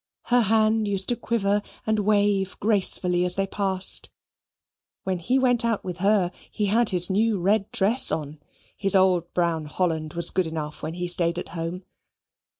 Her hand used to quiver and wave gracefully as they passed. When he went out with her he had his new red dress on. His old brown holland was good enough when he stayed at home.